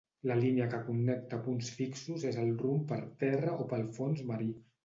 La línia que connecta punts fixos és el rumb per terra o pel fons marí.